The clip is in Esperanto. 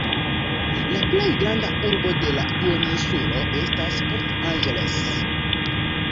La plej granda urbo de la duoninsulo estas Port Angeles.